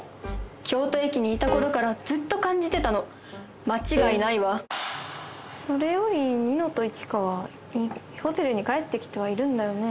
京都駅にいた頃からずっと感じてたの間違いないわそれより二乃と一花はホテルに帰ってきてはいるんだよね？